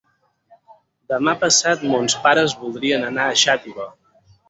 Demà passat mons pares voldrien anar a Xàtiva.